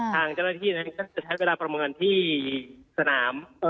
ทางเจ้าหน้าที่นั้นก็จะใช้เวลาประเมินที่สนาม